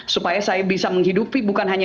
supaya saya bisa menghidupi bukan hanya